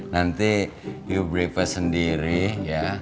nanti you brivers sendiri ya